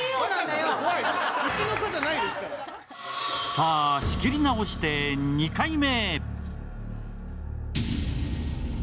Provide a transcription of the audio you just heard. さあ、仕切り直して、２回目。